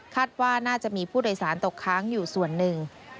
ว่าน่าจะมีผู้โดยสารตกค้างอยู่ส่วนหนึ่ง